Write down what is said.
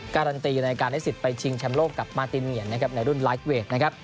การันตีในการได้สิทธิ์ไปชิงแชมป์โลกกับมาตินเหยียนนะครับในรุ่นไลฟ์เวทนะครับ